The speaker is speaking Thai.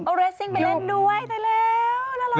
เอาเรสซิ่งไปเล่นด้วยไปแล้ว